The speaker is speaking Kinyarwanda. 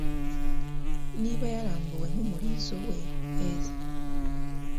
Niba yarambuye nkumurizo wa eel